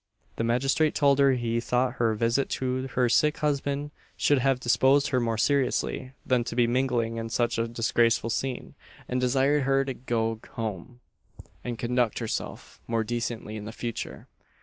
The magistrate told her he thought her visit to her sick husband should have disposed her more seriously, than to be mingling in such a disgraceful scene; and desired her to go home, and conduct herself more decently in future.